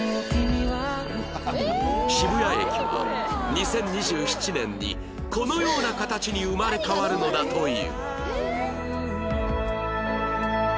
渋谷駅は２０２７年にこのような形に生まれ変わるのだという